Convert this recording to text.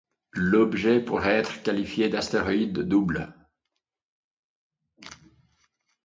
L'objet pourrait être qualifié d'astéroïde double.